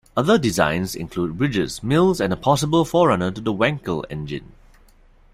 Other designs include bridges, mills, and a possible forerunner to the Wankel engine.